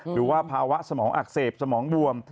หรือว่าภาวะสมองอักเสบสมองบวม